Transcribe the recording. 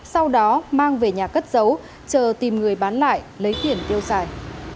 sau đó mang về nhà cất giấu chờ tìm người bán lại lấy tiền tiêu xài